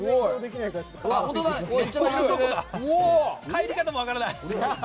帰り方も分からない。